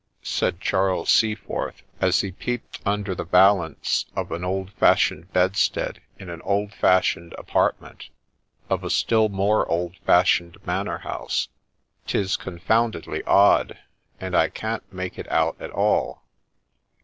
J_ said Charles Seaforth, as he peeped under the valance of an old fashioned bedstead, in an old fashioned apartment of a still more old fashioned manor house ;' 'tis confoundedly' odd, and I can't make it out at all.